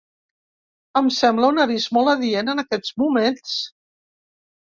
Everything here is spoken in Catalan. Em sembla un avís molt adient en aquests moments.